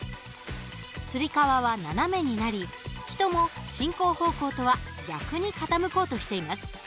つり革は斜めになり人も進行方向とは逆に傾こうとしています。